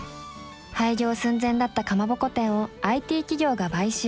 廃業寸前だったかまぼこ店をＩＴ企業が買収。